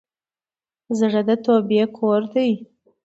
زړه د توبې کور دی.